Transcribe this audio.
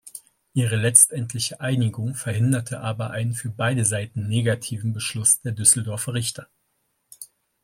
Ihre letztendliche Einigung verhinderte aber einen für beide Seiten negativen Beschluss der Düsseldorfer Richter.